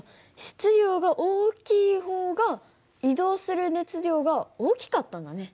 質量が大きい方が移動する熱量が大きかったんだね。